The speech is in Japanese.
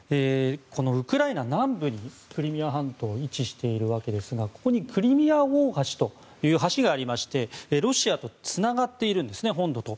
ウクライナ南部にクリミア半島は位置しているわけですがここにクリミア大橋という橋がありましてロシアとつながっているんですね本土と。